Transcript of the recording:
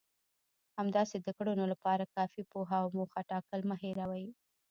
همداسې د کړنو لپاره کافي پوهه او موخه ټاکل مه هېروئ.